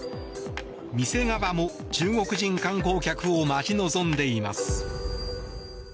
店側も中国人観光客を待ち望んでいます。